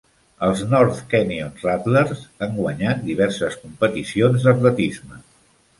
Els North Canyon Rattlers han guanyat diverses competicions d'atletisme.